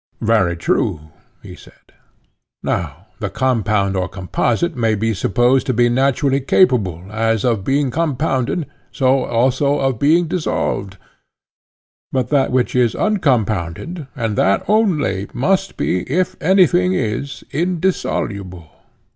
Very true, he said. Now the compound or composite may be supposed to be naturally capable, as of being compounded, so also of being dissolved; but that which is uncompounded, and that only, must be, if anything is, indissoluble.